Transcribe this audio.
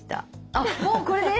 あっもうこれで⁉